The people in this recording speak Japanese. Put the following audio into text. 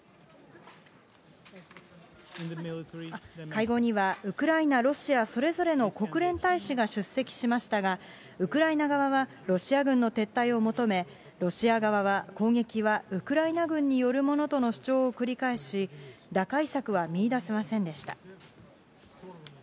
会合にはウクライナ、ロシアそれぞれの国連大使が出席しましたが、ウクライナ側はロシア軍の撤退を求め、ロシア側は攻撃はウクライナ軍によるものとの主張を繰り返し、打開策は見いだせませんでした。